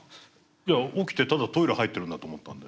いや起きてただトイレ入ってるんだと思ったんで。